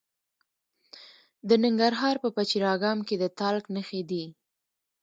د ننګرهار په پچیر اګام کې د تالک نښې دي.